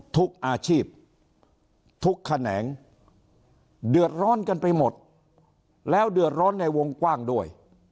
ทุกอาชีพทุกแขนงเดือดร้อนกันไปหมดแล้วเดือดร้อนในวงกว้างด้วย